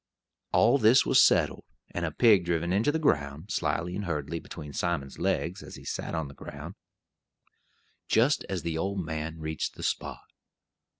All this was settled, and a pig driven into the ground, slyly and hurriedly, between Simon's legs as he sat on the ground, just as the old man reached the spot.